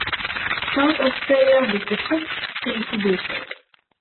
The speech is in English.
South Australia was the first state to do so.